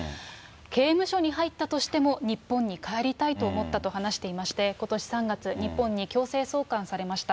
刑務所に入ったとしても、日本に帰りたいと思ったと話していまして、ことし３月、日本に強制送還されました。